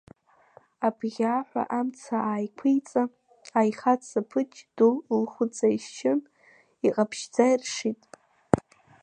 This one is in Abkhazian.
Абӷьаа ҳәа амца ааиқәиҵан, аихатә саԥыџь ду лхәыҵаишьшьын иҟаԥшьӡа иршит.